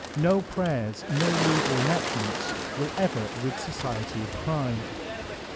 No prayers, no legal enact* roents, will ever rid society of crime.